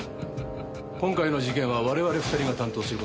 今回の事件は我々２人が担当する事になった。